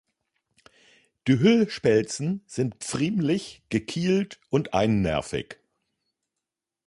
Die Hüllspelzen sind pfriemlich, gekielt und einnervig.